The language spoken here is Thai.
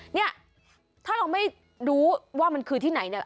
เนี่ยถ้าเราไม่รู้ว่ามันคือที่ไหนเนี่ย